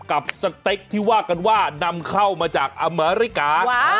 สเต็กที่ว่ากันว่านำเข้ามาจากอเมริกา